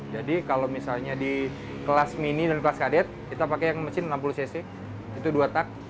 jadi kalau misalnya di kelas mini dan kelas kadet kita pakai yang mesin enam puluh cc itu dua tak